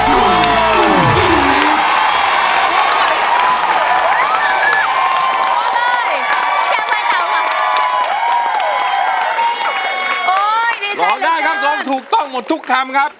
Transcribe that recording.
ร้องได้ครับตรงถูกต้องหมดทุกคำครับ